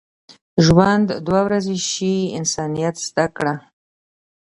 ژوند دوه ورځې شي، انسانیت زده کړه.